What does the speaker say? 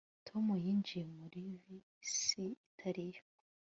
Tom yinjiye muri bisi itari yo